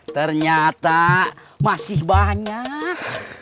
ternyata masih banyak